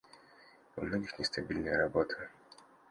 У многих нестабильная работа.